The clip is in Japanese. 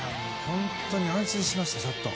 本当に安心しました。